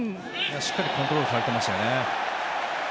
しっかりコントロールされていましたね。